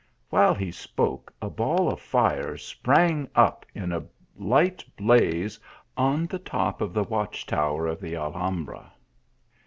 While he spoke a ball of fire sprang up in a light blaze on the top of the watch tower of the Al hambra.